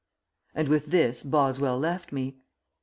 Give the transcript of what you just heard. And with this Boswell left me.